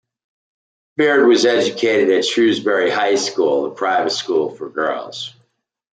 Beard was educated at Shrewsbury High School, a private school for girls.